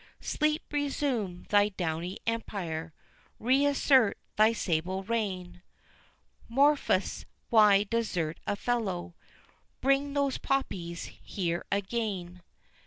Sleep, resume thy downy empire; reassert thy sable reign! Morpheus, why desert a fellow? Bring those poppies here again!